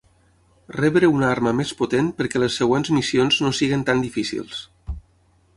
Rebre una arma més potent perquè les següents missions no siguin tan difícils.